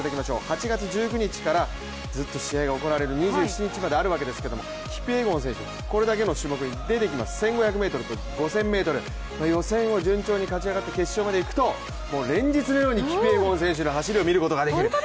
８月１９日からずっと試合が行われる、２７日まであるわけですけれども、キピエゴン選手これだけの種目に出てきます、１５００ｍと５０００ｍ、予選を順調に勝ち上がって決勝までいくと連日のようにキピエゴン選手の走りを見ることができる。